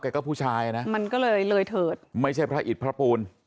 ก็ผู้ชายนะมันก็เลยเลยเถิดไม่ใช่พระอิตพระปูน